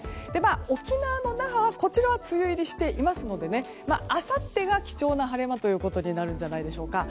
沖縄の那覇は梅雨入りしていますのであさってが貴重な晴れ間となるんじゃないでしょうか。